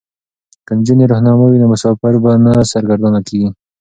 که نجونې رهنما وي نو مسافر به نه سرګردانه کیږي.